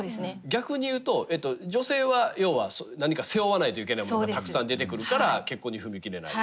逆に言うと女性は要は何か背負わないといけないものがたくさん出てくるから結婚に踏み切れない。